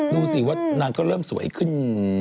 ดูสิว่านางก็เริ่มสวยขึ้น